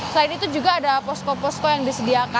selain itu juga ada posko posko yang disediakan